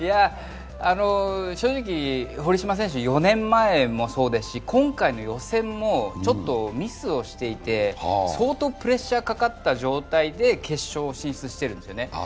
正直、堀島選手、４年前もそうですし今回の予選のちょっとミスをしていて相当プレッシャーかかった状態で決勝に進んでいるんですね。